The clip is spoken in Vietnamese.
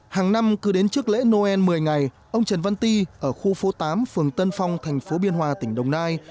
hàng năm cứ đến trước lễ noel một mươi ngày ông trần văn ti ở khu phố tám phường tân phong thành phố biên hòa tỉnh đồng nai